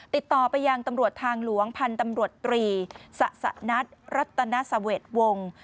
ติดต่อไปยังตำรวจทางหลวงพันธ์ตำรวจตรีสะสนัทรัตนสเวทวงศ์